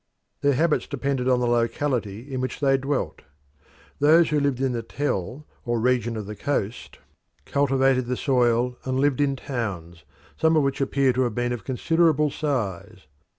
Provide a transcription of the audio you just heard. Their habits depended on the locality in which they dwelt. Those who lived in the Tell or region of the coast cultivated the soil and lived in towns, some of which appear to have been of considerable size.